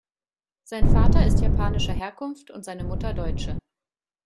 Sein Vater ist japanischer Herkunft und seine Mutter Deutsche.